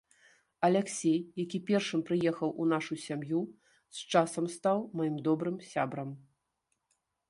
Аляксей, які першым прыехаў у нашу сям'ю, з часам стаў маім добрым сябрам.